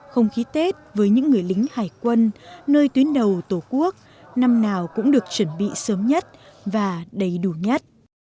không khí tết với những người lính hải quân nơi tuyến đầu tổ quốc năm nào cũng được chuẩn bị sớm nhất và đầy đủ nhất